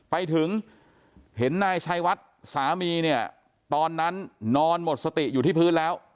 ไปถึงเห็นนายชัยวัดสามีเนี่ยตอนนั้นนอนหมดสติอยู่ที่พื้นแล้ว